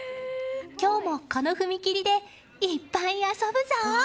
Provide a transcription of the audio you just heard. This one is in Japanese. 今日もこの踏切でいっぱい遊ぶぞ。